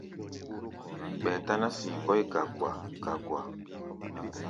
Ɓɛɛ táná sii kɔ́ʼí gagua-gagua.